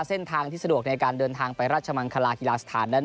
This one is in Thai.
เส้นทางที่สะดวกในการเดินทางไปราชมังคลากีฬาสถานนั้น